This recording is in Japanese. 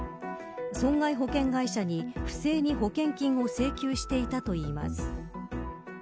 損害保険会社に不正に保険金を請求していたといいます。